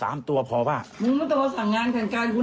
เอา๓ตัวพอป่ะ๔ตัวคุ